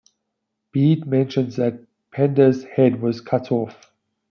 Bede mentions that Penda's head was cut off.